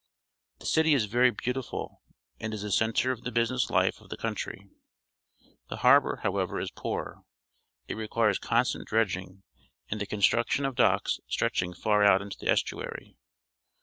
The city is very beautiful and is the centre of the business hfe of the country. The harbour, however, is poor. It requires constant dredging and the construction of docks stretching far out into the estuary.